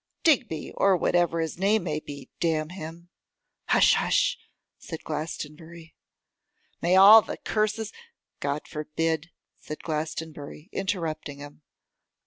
'Digby, or whatever his name may be; damn him!' 'Hush! hush!' said Glastonbury. 'May all the curses ' 'God forbid,' said Glastonbury, interrupting him.